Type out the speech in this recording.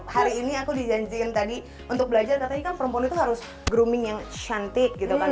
hari ini aku dijanjikan tadi untuk belajar katanya kan perempuan itu harus grooming yang cantik gitu kan